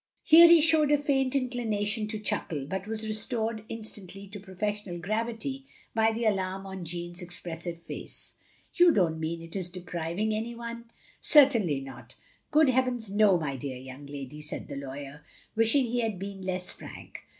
'* Here he showed a faint inclination to chuckle, but was restored instantly to professional gravity by the alarm on Jeanne's expressive face. "You don't mean it is depriving any one —" "Certainly not. Good heavens, no, my dear young lady, " said the lawyer, wishing he had been less frank.